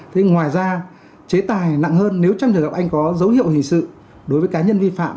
thế ngoài ra chế tài nặng hơn nếu trong trường hợp anh có dấu hiệu hình sự đối với cá nhân vi phạm